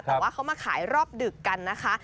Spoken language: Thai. แต่ว่าเขามาขายรอบดึกกันนะคะ